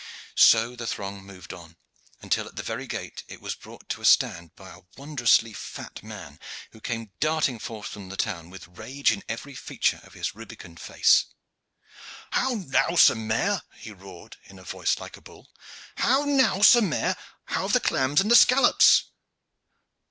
So the throng moved on, until at the very gate it was brought to a stand by a wondrously fat man, who came darting forth from the town with rage in every feature of his rubicund face. "How now, Sir Mayor?" he roared, in a voice like a bull. "How now, Sir Mayor? How of the clams and the scallops?"